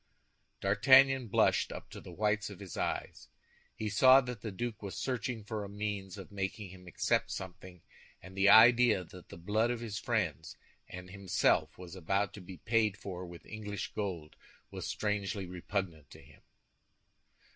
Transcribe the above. D'Artagnan blushed up to the whites of his eyes. He saw that the duke was searching for a means of making him accept something and the idea that the blood of his friends and himself was about to be paid for with English gold was strangely repugnant to him.